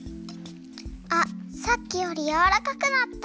あっさっきよりやわらかくなった。